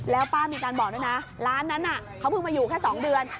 แล้วป้ามีการบอกด้วยนะร้านนั้นเขาเพิ่งมาอยู่แค่๒เดือน